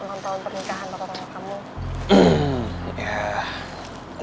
pengontrol pernikahan sama papa kamu